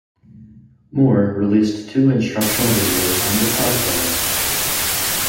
Moore released two instructional videos on guitar playing.